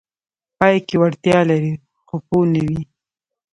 پای کې وړتیا لري خو پوه نه وي: